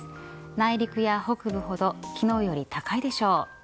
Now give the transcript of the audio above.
内陸や北部ほど昨日より高いでしょう。